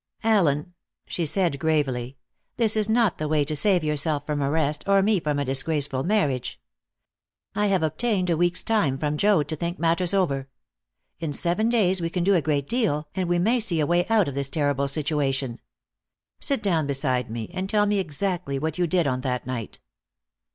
"Allen," she said gravely, "this is not the way to save yourself from arrest, or me from a disgraceful marriage. I have obtained a week's time from Joad to think matters over. In seven days we can do a great deal, and we may see a way out of this terrible situation. Sit down beside me, and tell me exactly what you did on that night."